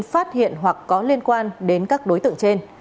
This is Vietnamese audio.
phát hiện hoặc có liên quan đến các đối tượng trên